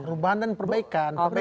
perubahan dan perbaikan